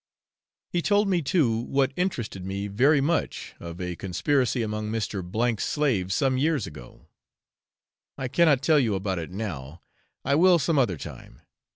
He told me too, what interested me very much, of a conspiracy among Mr. C 's slaves some years ago. I cannot tell you about it now; I will some other time.